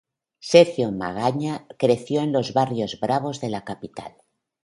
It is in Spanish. Sergio Magaña creció en los barrios bravos de la capital.